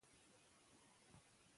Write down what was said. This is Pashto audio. د سولې پالنه باید د هر چا مسؤلیت وي.